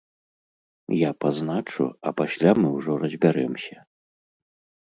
Я пазначу, а пасля мы ўжо разбярэмся.